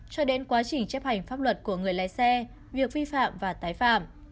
cho đến quá trình chấp hành pháp luật của người lái xe việc vi phạm và tái phạm